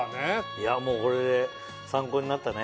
いやもうこれで参考になったね